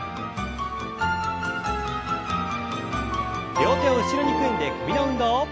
両手を後ろに組んで首の運動。